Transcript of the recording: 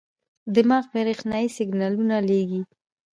دماغ برېښنايي سیګنال لېږي.